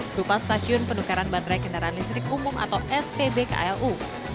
berupa stasiun penukaran baterai kendaraan listrik umum atau spbklu